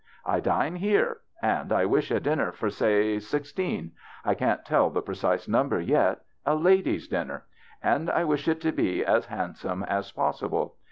" I dine here, and — I wish a dinner for, say sixteen — I can't tell the precise number yet — a ladies' dinner. And I wish it to be as hand some as possible.